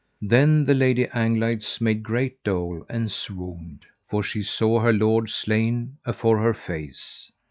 Then the Lady Anglides made great dole, and swooned, for she saw her lord slain afore her face.